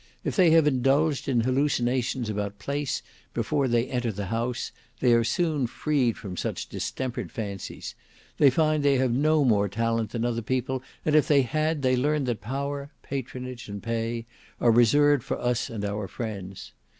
If they have indulged in hallucinations about place before they enter the House, they are soon freed from such distempered fancies; they find they have no more talent than other people, and if they had, they learn that power, patronage and pay are reserved for us and our friends.